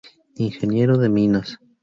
Ingeniero de Minas.